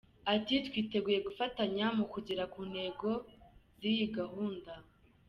Ati” Twiteguye gufatanya mu kugera ku ntego z’iyi gahunda.